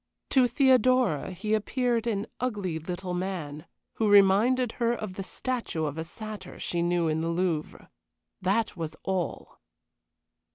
To Theodora he appeared an ugly little man, who reminded her of the statue of a satyr she knew in the Louvre. That was all!